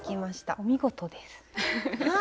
お見事です。